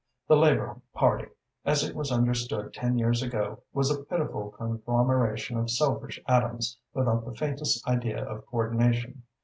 The Labour Party, as it was understood ten years ago, was a pitiful conglomeration of selfish atoms without the faintest idea of coordination.